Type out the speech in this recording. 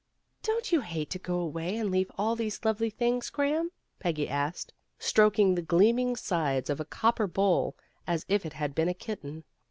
"Don't you hate to go away and leave all these lovely things, Graham!" Peggy asked, stroking the gleaming sides of a copper bowl as if it had been a kitten.